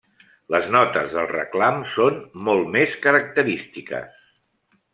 Les notes del reclam són molt més característiques.